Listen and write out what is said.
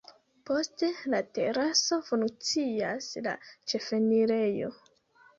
Post la teraso funkcias la ĉefenirejo.